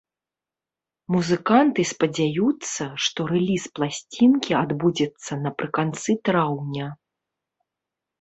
Музыканты спадзяюцца, што рэліз пласцінкі адбудзецца напрыканцы траўня.